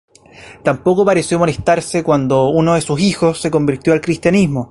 Tampoco pareció molestarse cuando uno de sus hijos se convirtió al cristianismo.